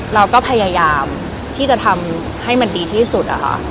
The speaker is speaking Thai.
เราก็พยายามที่จะทำให้มันดีที่สุดอะค่ะ